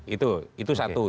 itu satu ya